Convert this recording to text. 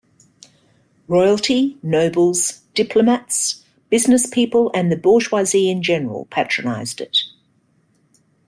Royalty, nobles, diplomats, business people and the bourgeoisie in general patronized it.